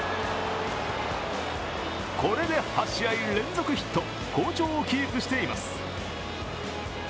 これで８試合連続ヒット、好調をキープしています。